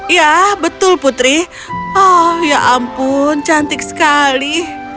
ya betul putri oh ya ampun cantik sekali